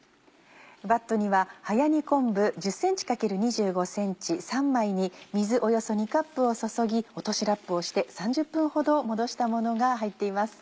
バットには早煮昆布１０ｃｍ×２５ｃｍ３枚に水およそ２カップを注ぎ落としラップをして３０分ほどもどしたものが入っています。